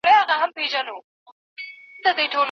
تا به ویل زما د خالپوڅو او بابا کلی دی.